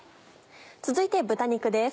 続いて豚肉です。